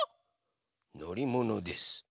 のりものです。